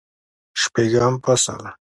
شپږم فصل